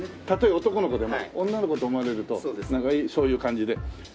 たとえ男の子でも女の子と思われるとなんかそういう感じで。